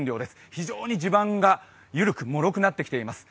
非常に地盤が緩く、もろくなってきています。